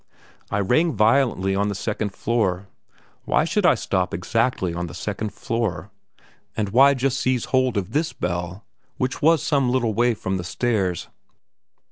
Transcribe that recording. I rang violently on the second floor. Why should I stop exactly on the second floor? And why just seize hold of this bell which was some little way from the stairs?